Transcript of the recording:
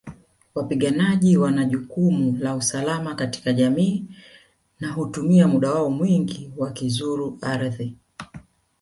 Wapiganaji wana jukumu la usalama katika jamii na hutumia muda wao mwingi wakizuru ardhi